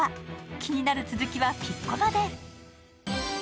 気になる続きはピッコマで。